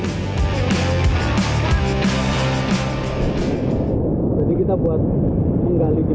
jadi kita buat menggali di pasir